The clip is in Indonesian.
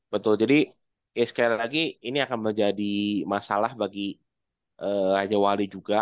betul jadi sekali lagi ini akan menjadi masalah bagi raja wali juga